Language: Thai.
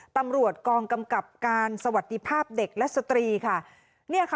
ตำรวจกองกำกับอัศวสีสัตรี